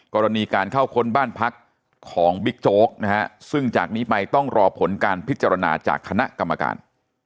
กรณีการเข้าค้นบ้านพักของบิ๊กโจ๊กนะฮะซึ่งจากนี้ไปต้องรอผลการพิจารณาจากคณะกรรมการ